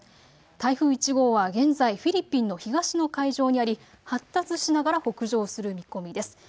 台風１号は現在、フィリピンの東の海上にあり、発達しながら北上する見込みです。